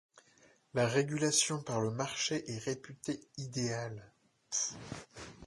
La régulation par le marché est réputée idéale.